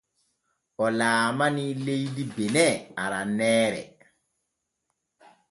O laalanii leydi bene aranneere.